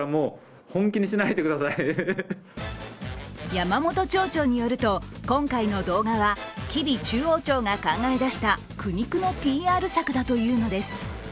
山本町長によると、今回の動画は吉備中央町が考えだした苦肉のＰＲ策だというのです。